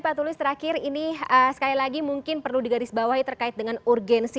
pak tulus terakhir ini sekali lagi mungkin perlu digarisbawahi terkait dengan urgensi